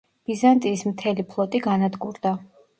ბიზანტიის მთელი ფლოტი განადგურდა.